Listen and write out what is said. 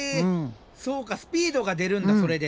そうかスピードが出るんだそれで。